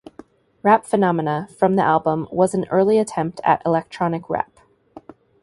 "Rap Phenomena" from the album was an early attempt at electronic rap.